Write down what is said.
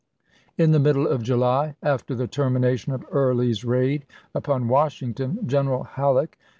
In the middle of July, after the termination of is. Early's raid upon Washington, General Halleck, Vol.